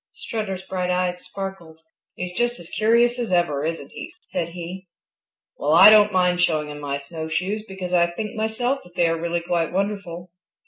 Strutter's bright eyes sparkled. "He's just as curious as ever, isn't he?" said he. "Well, I don't mind showing him my snowshoes because I think myself that they are really quite wonderful."